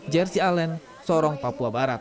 jersey allen sorong papua barat